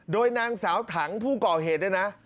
โดยนางสาวถังผู้ก่อเหตุเนี่ยนะ